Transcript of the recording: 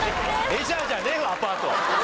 レジャーじゃねぞアパート。